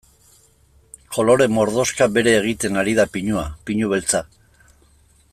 Kolore mordoxka bere egiten ari da pinua, pinu beltza.